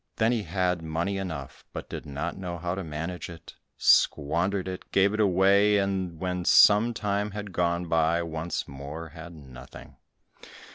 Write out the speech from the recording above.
Then he had money enough, but did not know how to manage it, squandered it, gave it away, and and when some time had gone by, once more had nothing.